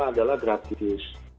sifatnya adalah gratis